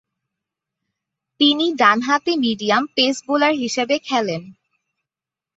তিনি ডানহাতি medium pace bowler হিসাবে খেলেন।